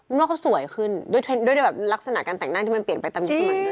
ว่าเขาสวยขึ้นด้วยแบบลักษณะการแต่งหน้าที่มันเปลี่ยนไปตามยุคสมัยนั้น